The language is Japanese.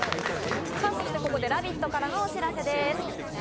ここで「ラヴィット！」からのお知らせです。